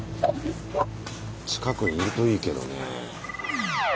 近くにいるといいけどね。